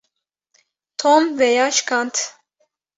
Tom vêya şikand.